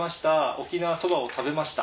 沖縄そばを食べました。